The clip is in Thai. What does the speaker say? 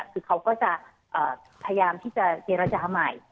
คือเขาก็จะพยายามที่จะเจรจาใหม่